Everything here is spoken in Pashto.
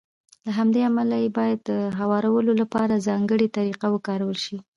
له همدې امله يې بايد د هوارولو لپاره ځانګړې طريقه وکارول شي.